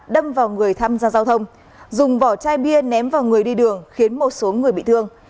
đâm vào người tham gia giao thông dùng vỏ chai bia ném vào người đi đường khiến một số người bị thương